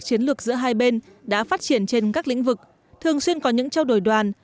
chiến lược giữa hai bên đã phát triển trên các lĩnh vực thường xuyên có những trao đổi đoàn